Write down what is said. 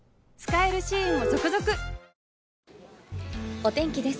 お天気です。